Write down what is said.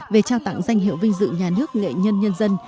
về trao tặng danh hiệu vinh dự nhà nước nghệ nhân nhân dân